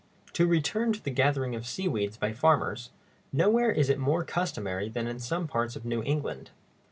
_] To return to the gathering of seaweeds by farmers, nowhere is it more customary than in some parts of New England.